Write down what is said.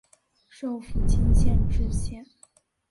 授福清县知县。